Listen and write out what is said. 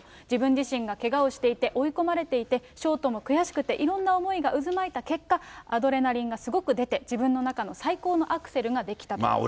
自分自身がけがをしていて追い込まれていて、ショートも悔しくて、いろんな思いがうずまいた結果、アドレナリンがすごく出て、自分の中の最高のアクセルができたと。